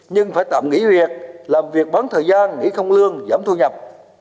nhưng phải tạm nghỉ việc làm việc bắn thời gian nghỉ không lương giảm thu nhập